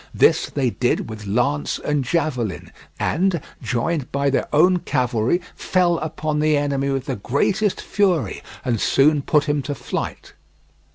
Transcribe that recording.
This they did with lance and javelin, and, joined by their own cavalry, fell upon the enemy with the greatest fury and soon put him to flight.